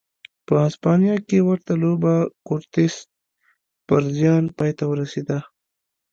په هسپانیا کې ورته لوبه کورتس پر زیان پای ته ورسېده.